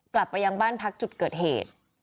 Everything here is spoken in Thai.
กลับไปยังบ้านพักจุดเกิดเหตุ